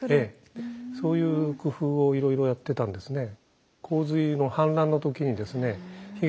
そういう工夫をいろいろやってたんですね。